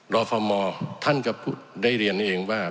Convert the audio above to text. รฟมท่านก็ได้เรียนเองว่า